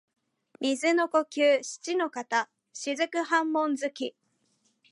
水の呼吸漆ノ型雫波紋突き（しちのかたしずくはもんづき）